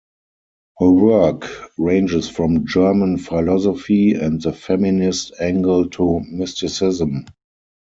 Her work ranges from German philosophy and the feminist angle to mysticism.